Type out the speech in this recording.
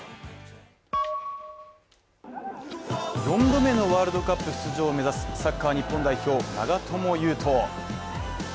４度目のワールドカップ出場を目指すサッカー日本代表・長友佑都。